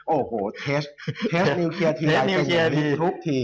โอ้โหเทสต์นิวเคลียรทีย์ทุกที